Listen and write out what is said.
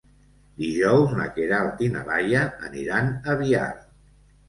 Dijous na Queralt i na Laia aniran a Biar.